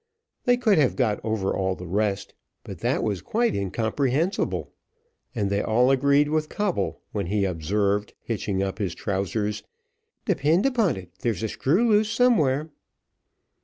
They could have got over all the rest, but that was quite incomprehensible; and they all agreed with Coble, when he observed, hitching up his trousers, "Depend upon it, there's a screw loose somewhere."